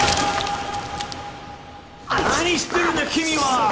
何してるんだ君は！